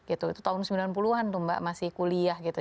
itu tahun sembilan puluh an tuh mbak masih kuliah gitu